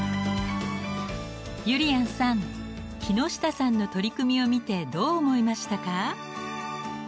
ゆりやんさん木下さんの取り組みを見てどう思いましたか？